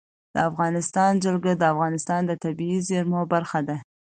د افغانستان جلکو د افغانستان د طبیعي زیرمو برخه ده.